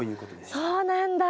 そうなんだ。